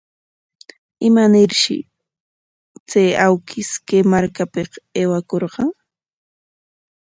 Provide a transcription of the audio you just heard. ¿Imanarshi chay awkish kay markapik aywakurqan?